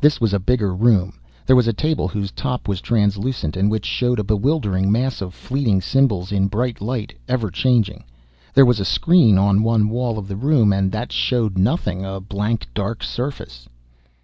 This was a bigger room. There was a table whose top was translucent and which showed a bewildering mass of fleeting symbols in bright light, ever changing. There was a screen on one wall of the room and that showed nothing, a blank, dark surface.